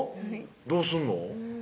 どうすんの？